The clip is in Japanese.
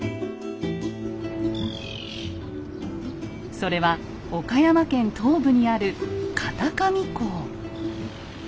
それは岡山県東部にある片上港。